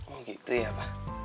oh gitu ya pak